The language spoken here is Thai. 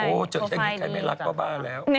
โอ้โฮเจิดแต่นิดใครไม่รักก็บ้าแล้ว